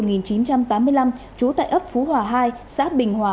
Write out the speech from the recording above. trú tại ấp phú hòa hai xã bình hòa